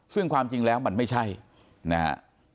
ซึ่งความจริงแล้วมันไม่ใช่นะฮะ